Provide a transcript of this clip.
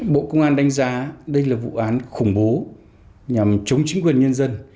bộ công an đánh giá đây là vụ án khủng bố nhằm chống chính quyền nhân dân